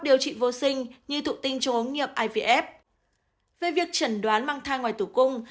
điều trị vô sinh như thụ tinh trong ống nghiệm ivf về việc chẩn đoán mang thai ngoài tử cung